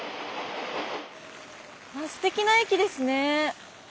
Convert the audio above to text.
すてきな駅ですね。